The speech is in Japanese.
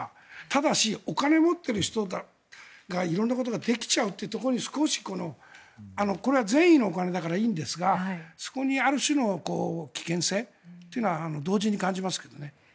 ただし、お金を持ってる人が色んなことができちゃうということに少し、これは善意のお金だからいいんですがそこにある種の危険性というのは同時に感じますけどね。